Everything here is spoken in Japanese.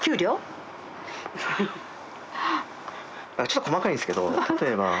ちょっと細かいんすけど例えば。